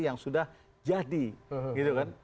yang sudah jadi gitu kan